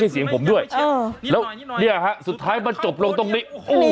แล้วเนี่ยครับสุดท้ายมาจบลงตรงนี้